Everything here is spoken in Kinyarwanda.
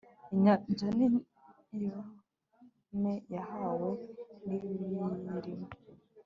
inyanja niyorome hamwe n'ibiyirimo